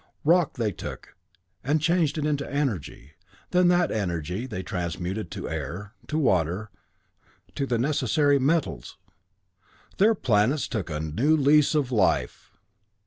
Rock they took, and changed it to energy, then that energy they transmuted to air, to water, to the necessary metals. Their planets took a new lease of life!